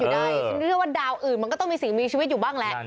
ฉันเชื่อว่าดาวอื่นมันก็ต้องมีสิ่งมีชีวิตอยู่บ้างแหละ